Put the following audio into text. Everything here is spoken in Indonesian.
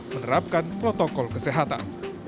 menerapkan protokol kesehatan